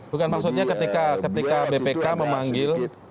bukan maksudnya ketika bpk memanggil